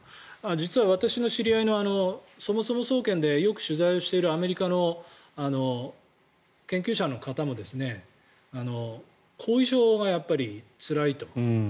実は私の知り合いのそもそも総研でよく取材をしているアメリカの研究者の方も後遺症がやっぱりつらいと。